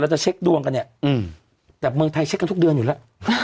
จะเช็คดวงกันเนี่ยแต่เมืองไทยเช็คกันทุกเดือนอยู่แล้ว